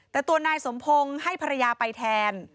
แต่ตัวนายสมพงศ์ให้ภรรยาไปแทน